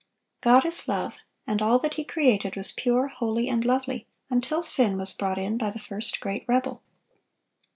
God is love; and all that He created was pure, holy, and lovely, until sin was brought in by the first great rebel.